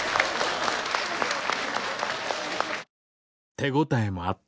手応えもあった。